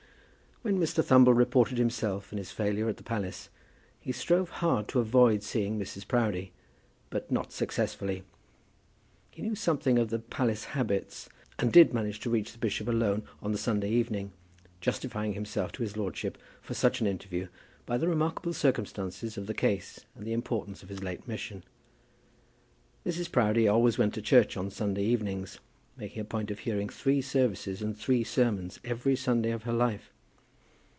When Mr. Thumble reported himself and his failure at the palace, he strove hard to avoid seeing Mrs. Proudie, but not successfully. He knew something of the palace habits, and did manage to reach the bishop alone on the Sunday evening, justifying himself to his lordship for such an interview by the remarkable circumstances of the case and the importance of his late mission. Mrs. Proudie always went to church on Sunday evenings, making a point of hearing three services and three sermons every Sunday of her life.